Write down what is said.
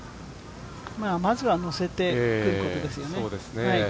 まずはのせてくることですよね。